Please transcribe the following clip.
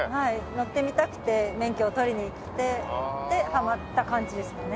乗ってみたくて免許を取りに行ってハマった感じですかね。